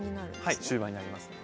はい終盤になりますね。